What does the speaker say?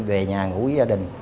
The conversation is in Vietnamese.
về nhà ngủ với gia đình